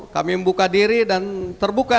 kami membuka diri dan terbuka